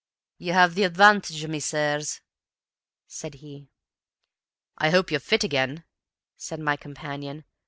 "Ye have the advantage o' me, sirs," said he. "I hope you're fit again," said my companion.